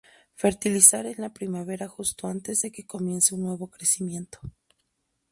Fertilizar en la primavera justo antes de que comience un nuevo crecimiento.